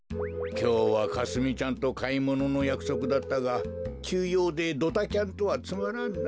きょうはかすみちゃんとかいもののやくそくだったがきゅうようでドタキャンとはつまらんな。